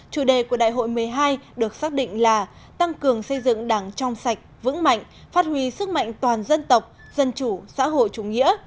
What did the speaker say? chủ đề của đại hội một mươi hai được xác định là tăng cường xây dựng đảng trong sạch vững mạnh phát huy sức mạnh toàn dân tộc dân chủ xã hội chủ nghĩa